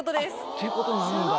っていうことになるんだ。